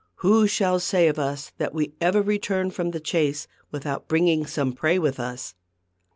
Who shall say of us that we ever return from the chase without bringing some prey with us